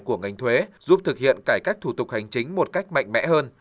của ngành thuế giúp thực hiện cải cách thủ tục hành chính một cách mạnh mẽ hơn